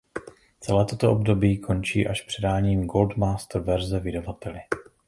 Celé toto období končí až předáním "gold master verze" vydavateli.